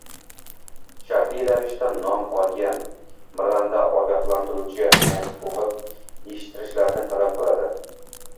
shartli ravishda nom olgan «Miranda ogohlantiruvi»ni o‘qib eshittirishlarini talab qiladi.